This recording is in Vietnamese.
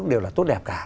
đều là tốt đẹp cả